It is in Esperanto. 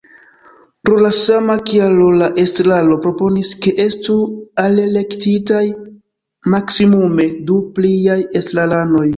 Pro la sama kialo la estraro proponis, ke estu alelektitaj maksmimume du pliaj estraranoj.